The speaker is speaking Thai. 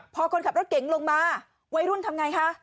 พอคนขับรถเก๋งลงมาวัยรุ่นทำไงคะ